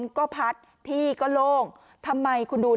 หญิงบอกว่าจะเป็นพี่ปวกหญิงบอกว่าจะเป็นพี่ปวก